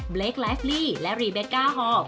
เบรคลาฟลี่และรีเบกก้าฮอร์